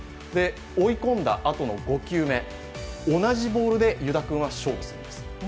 追い込んだあとの５球目、同じボールで湯田君は勝負します。